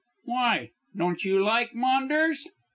"Why? Don't you like Maunders?"